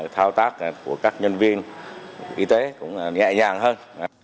thao tác của các nhân viên y tế cũng nhẹ nhàng hơn